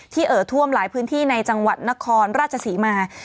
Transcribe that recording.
เอ่อท่วมหลายพื้นที่ในจังหวัดนครราชศรีมา